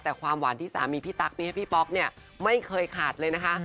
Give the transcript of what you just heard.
แต่ความหวานที่สามีพี่ตั๊กมีให้พี่ป๊อกเนี่ยไม่เคยขาดเลยนะคะ